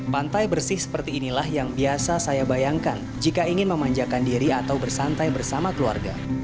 pantai bersih seperti inilah yang biasa saya bayangkan jika ingin memanjakan diri atau bersantai bersama keluarga